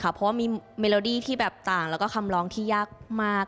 เพราะว่ามีเมโลดี้ที่แบบต่างแล้วก็คำร้องที่ยากมาก